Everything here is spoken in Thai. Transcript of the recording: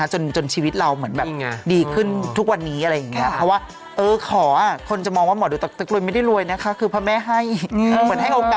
ถ้าจะขอเรื่องงานเขาให้ถวายมะม่วง